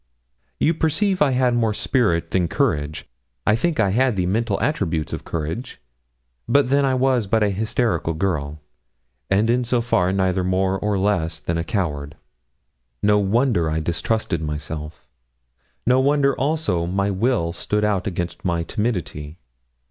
You perceive I had more spirit than courage. I think I had the mental attributes of courage; but then I was but a hysterical girl, and in so far neither more nor less than a coward. No wonder I distrusted myself; no wonder also my will stood out against my timidity.